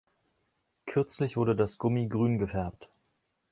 Kürzlich wurde das Gummi grün gefärbt.